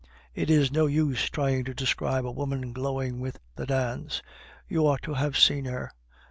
it is no use trying to describe a woman glowing with the dance. You ought to have seen her!